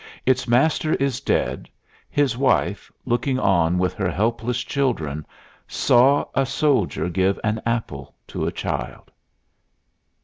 Its master is dead. His wife, looking on with her helpless children, saw a soldier give an apple to a child.